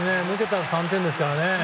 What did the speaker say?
抜けたら３点ですからね。